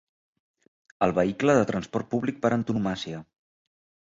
El vehicle de transport públic per antonomàsia.